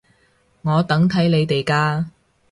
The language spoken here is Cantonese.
我等睇你哋㗎